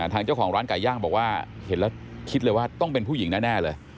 ทางเจ้าของร้านไก่ย่างบอกว่าเห็นแล้วคิดเลยว่าต้องเป็นผู้หญิงแน่เลย